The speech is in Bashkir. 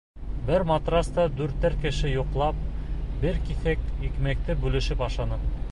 Бер матраста дүртәр кеше йоҡлап, бер киҫәк икмәкте бүлешеп ашаныҡ.